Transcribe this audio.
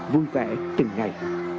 vui vẻ từng ngày